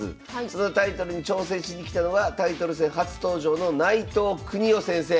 そのタイトルに挑戦しに来たのがタイトル戦初登場の内藤國雄先生。